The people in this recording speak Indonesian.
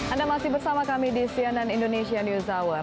anda masih bersama kami di cnn indonesia news hour